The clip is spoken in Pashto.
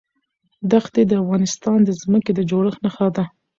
ښتې د افغانستان د ځمکې د جوړښت نښه ده.